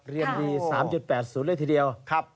เรียนดี๓๘๐เลยทีเดียว